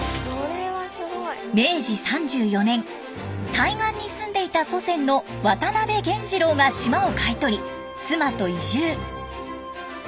明治３４年対岸に住んでいた祖先の渡邊源次郎が島を買い取り妻と移住。